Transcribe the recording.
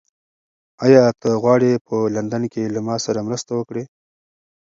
ایا ته غواړې چې په لندن کې له ما سره مرسته وکړې؟